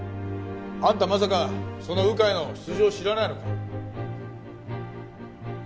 あんたまさかその鵜飼の素性を知らないのか？